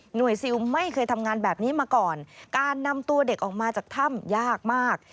ซิลไม่เคยทำงานแบบนี้มาก่อนการนำตัวเด็กออกมาจากถ้ำยากมาก